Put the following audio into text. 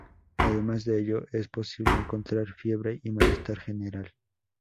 Además de ello, es posible encontrar fiebre y malestar general.